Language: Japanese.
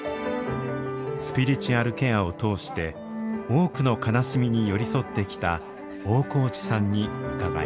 スピリチュアルケアを通して多くの悲しみに寄り添ってきた大河内さんに伺います。